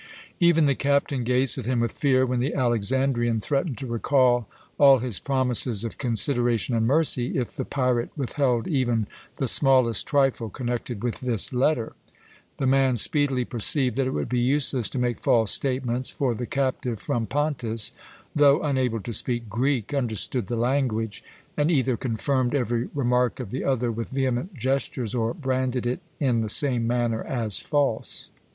Even the captain gazed at him with fear, when the Alexandrian threatened to recall all his promises of consideration and mercy if the pirate withheld even the smallest trifle connected with this letter. The man speedily perceived that it would be useless to make false statements; for the captive from Pontus, though unable to speak Greek, understood the language, and either confirmed every remark of the other with vehement gestures, or branded it in the same manner as false.